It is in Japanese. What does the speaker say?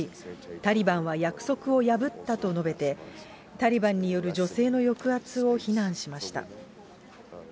タリバンは約束を破ったと述べて、タリバンによる女性の抑圧を非難しました。